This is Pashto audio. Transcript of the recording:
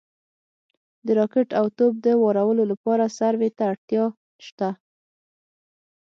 د راکټ او توپ د وارولو لپاره سروې ته اړتیا شته